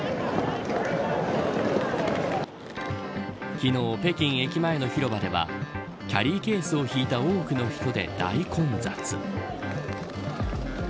昨日、北京駅前の広場ではキャリーケースを引いた多くの人で大混雑。